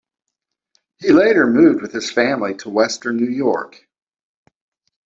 He later moved with his family to western New York.